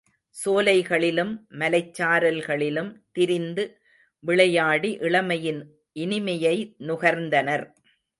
சோலைகளிலும், மலைச்சாரல்களிலும் திரிந்து விளையாடி இளமையின் இனிமையை நுகர்ந்தனர்.